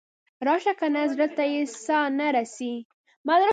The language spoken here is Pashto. راشه ګنې زړه ته یې ساه نه رسي.